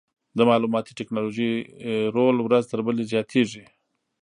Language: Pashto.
د معلوماتي ټکنالوژۍ رول ورځ تر بلې زیاتېږي.